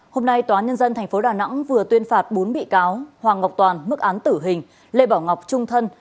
hôm nay tòa nhân dân tp đà nẵng vừa tuyên phạt bốn bị cáo hoàng ngọc toàn mức án tử hình lê bảo ngọc trung thân